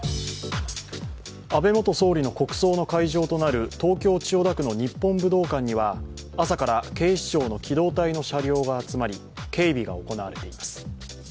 安倍元総理の国葬の会場となる東京・千代田区の日本武道館には朝から警視庁の機動隊の車両が集まり、警備が行われています。